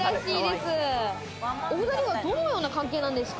お２人はどのような関係なんですか？